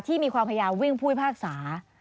ที่มีความพยายามวิ่งพุ่ยภาษา